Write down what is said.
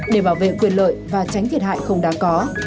để bảo vệ quyền lợi và tránh thiệt hại không đáng có